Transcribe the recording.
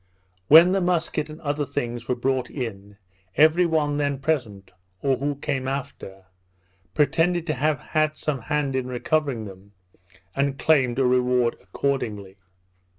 When the musket and other things were brought in, every one then present, or who came after, pretended to have had some hand in recovering them, and claimed a reward accordingly.